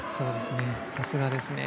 さすがですね。